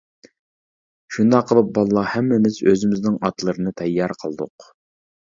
شۇنداق قىلىپ بالىلار ھەممىمىز ئۆزىمىزنىڭ ئاتلىرىنى تەييار قىلدۇق.